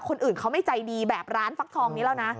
คนอื่นเขาไม่ใจดีแบบร้านฟักทองนี้แล้วนะ